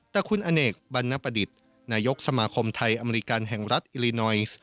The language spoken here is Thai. แต่คุณอเนกบรรณประดิษฐ์นายกสมาคมไทยอเมริกันแห่งรัฐอิลินอยซ์